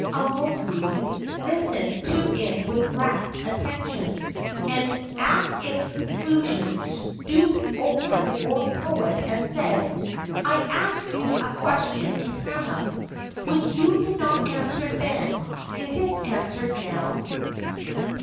Keeaumoku listened to it with rapt attention, and at its conclusion stooped over the old poet and said: "I asked you a question in Hana, which you did not answer then. Is it answered now?"